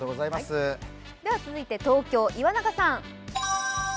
続いて東京、岩永さん。